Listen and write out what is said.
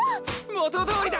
元通りだ！